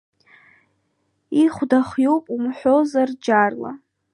Ихәда хиоуп умҳәозар џьарла…